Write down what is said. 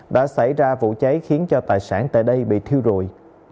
đã xảy ra vụ cháy khiến cho tài sản tại đây bị thiêu rụi